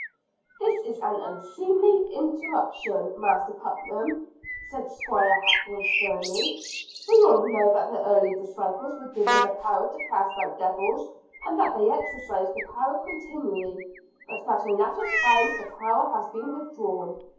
"This is an unseemly interruption, Master Putnam," said Squire Hathorne sternly. "We all know that the early disciples were given the power to cast out devils and that they exercised the power continually, but that in later times the power has been withdrawn.